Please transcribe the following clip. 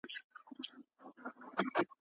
دا کیله تر ټولو نورو مېوو ډېر ویټامین بي لري.